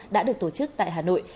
đã được tổ chức tại hà nội